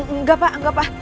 enggak pak enggak pak